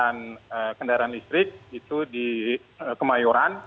kendaraan kendaraan listrik itu di kemayoran